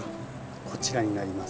こちらになります。